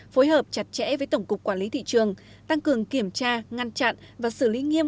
phối hợp chặt chẽ với tổng cục quản lý thị trường tăng cường kiểm tra ngăn chặn và xử lý nghiêm